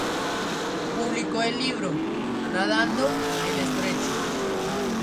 Publicó el libro "Nadando el Estrecho.